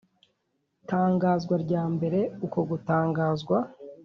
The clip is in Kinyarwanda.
tangazwa rya mbere uko gutangazwa